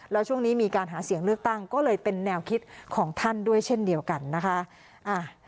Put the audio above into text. แล้วช่วงนี้มีการหาเสียงเลือกตั้งก็เลยเป็นแนวคิดของท่านด้วยเช่นเดียวกันนะคะ